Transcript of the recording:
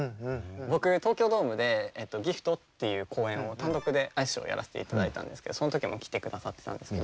僕東京ドームでＧＩＦＴっていう公演を単独でアイスショーやらせていただいたんですけどその時も来てくださってたんですけど。